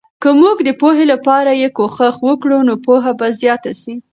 که موږ د پوهې لپاره یې کوښښ وکړو، نو پوهه به زیاته سي.